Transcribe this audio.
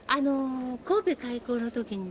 神戸開港の時にですね